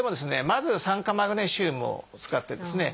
まず酸化マグネシウムを使ってですね